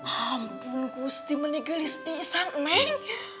ampun kusti menigilis pesan neng